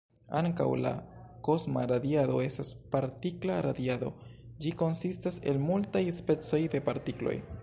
Ankaŭ la kosma radiado estas partikla radiado; ĝi konsistas el multaj specoj de partikloj.